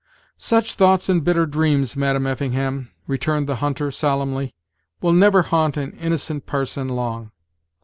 "Such thoughts and bitter dreams, Madam Effingham," returned the hunter, solemnly, "will never haunt an innocent parson long.